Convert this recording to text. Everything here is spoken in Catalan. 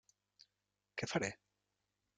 Què faré?